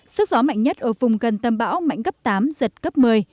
sức gió mạnh nhất ở vùng gần tâm bão mạnh cấp tám giật cấp một mươi